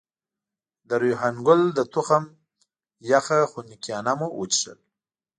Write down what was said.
د ریحان ګل د تخم یخ خنکيانه مو وڅښل.